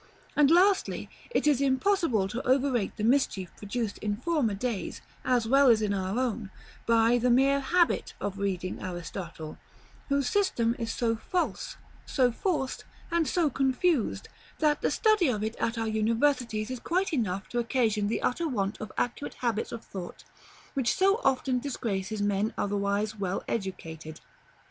And lastly, it is impossible to overrate the mischief produced in former days, as well as in our own, by the mere habit of reading Aristotle, whose system is so false, so forced, and so confused, that the study of it at our universities is quite enough to occasion the utter want of accurate habits of thought which so often disgraces men otherwise well educated.